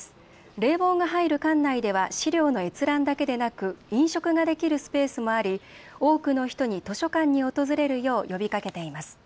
冷房が入る館内では資料の閲覧だけでなく飲食ができるスペースもあり多くの人に図書館に訪れるよう呼びかけています。